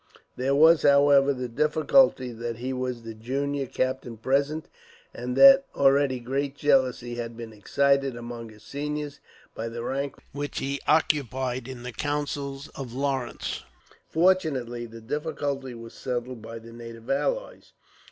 There was, however, the difficulty that he was the junior captain present; and that already great jealousy had been excited, among his seniors, by the rank which he occupied in the councils of Lawrence. Fortunately, the difficulty was settled by the native allies.